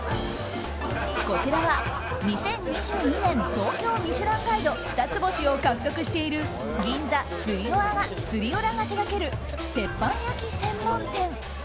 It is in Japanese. こちらは、「２０２２年東京ミシュランガイド」二つ星を獲得している銀座スリオラが手掛ける鉄板焼き専門店。